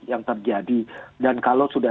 yang terjadi dan kalau sudah